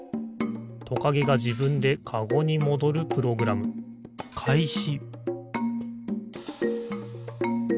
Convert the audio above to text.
トカゲがじぶんでカゴにもどるプログラムかいし！